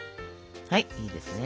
はいいいですね